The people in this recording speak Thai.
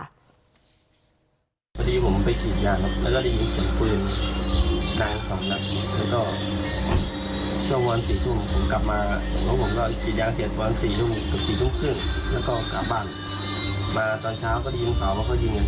ไม่เห็นเหตุการณ์แต่ได้ยินเสียงปืน